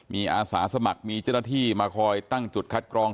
มีอาสาสมัครมีเจ้าหน้าที่มาคอยตั้งจุดคัดกรอง